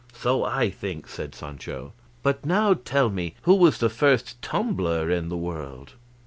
"So I think," said Sancho; "but now tell me, who was the first tumbler in the world?"